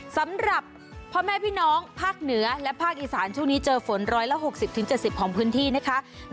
สำหรับพ่อแม่พี่น้องภาคเหนือและภาคอีสานช่วงนี้เจอฝน๑๖๐๗๐ของพื้นที่นะคะ